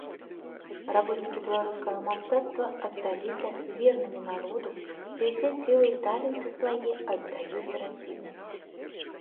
Работнікі беларускага мастацтва асталіся вернымі народу і ўсе сілы і таленты свае аддаюць радзіме.